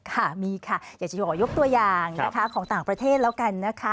ค่ะมีค่ะอยากจะยกตัวอย่างของต่างประเทศแล้วกัน